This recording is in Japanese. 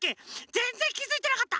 ぜんぜんきづいてなかった。